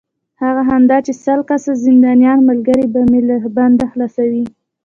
هغه دا چې سل کسه زندانیان ملګري به مې له بنده خلاصوې.